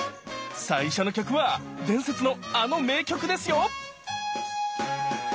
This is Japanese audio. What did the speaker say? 最初の曲は伝説のあの名曲ですよ